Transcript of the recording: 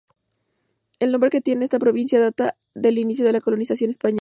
El nombre que tiene esta provincia data del inicio de la colonización española.